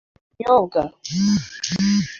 ibinyobwa